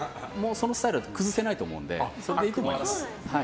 そのスタイルは崩せないと思うのでそれでいいと思います。